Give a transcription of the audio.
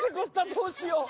どうしよう。